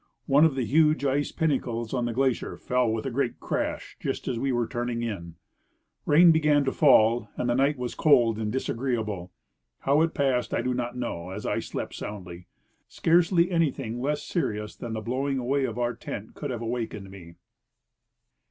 One of the huge ice pinnacles on the glacier fell with a great crash just as Ave were turning in. Rain began to fall, and the night Avas cold and disagreeable ; hoAV it passed. I do not know, as I slept soundly. Scarcely anything less serious than the bloAving aAvay of our tent could have awakened me.